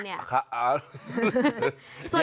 เมนูที่สุดยอด